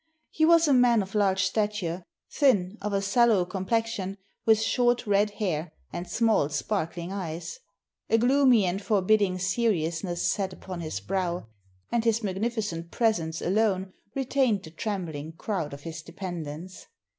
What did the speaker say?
He was a man of large stature, thin, of a sallow complexion, with short, red hair, and small, sparkling eyes. A gloomy and for bidding seriousness sat upon his brow; and his magnifi cent presents alone retained the trembling crowd of his dependents.